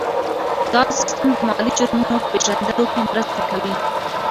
دا سیستم د مالي جرمونو په پېژندلو کې مرسته کوي.